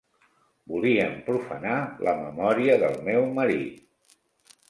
Volien profanar la memòria del meu marit.